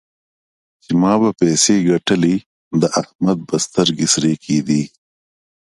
چې ما به پيسې ګټلې؛ د احمد به سترګې سرې کېدې.